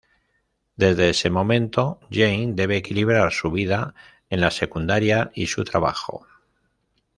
Desde ese momento, Jane debe equilibrar su vida en la secundaria y su trabajo.